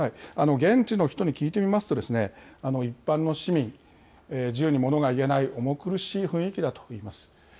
現地の人に聞いてみますと、一般の市民、自由にものが言えない重苦しい雰囲気だといいます。